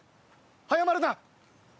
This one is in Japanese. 早まるな！